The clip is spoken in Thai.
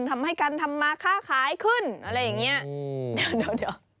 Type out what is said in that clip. ทำให้กันทำมาค่าขายขึ้นอะไรอย่างนี้